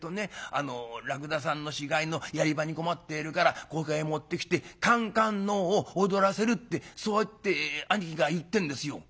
あの『らくださんの死骸のやり場に困っているからここへ持ってきてかんかんのうを踊らせる』ってそうやって兄貴が言ってんですよ」。